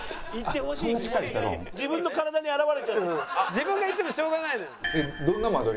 自分が行ってもしょうがないのよ。